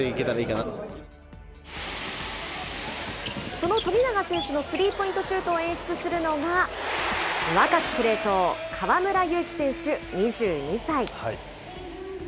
その富永選手のスリーポイントシュートを演出するのが、若き司令塔、河村勇輝選手２２歳。